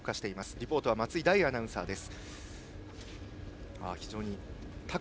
リポートは松井大アナウンサーです。